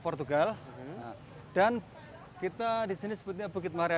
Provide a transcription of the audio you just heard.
portugal dan kita di sini sebetulnya bukit maria